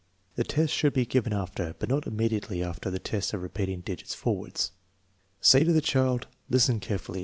The test should be given after, but not immediately after, the tests of repeating digits forwards. Say to the child: "Listen carefully.